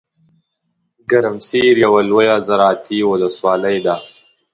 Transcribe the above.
ګرمسیر یوه لویه زراعتي ولسوالۍ ده .